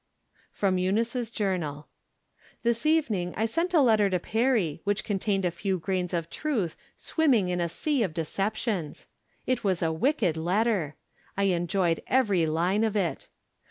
[eeom Eunice's jotjenai;.] This evening I sent a letter to Perry, which contained a few grains of truth, swimming in a sea of deceptions. It was a wicked letter ! I enjoyed every line of it.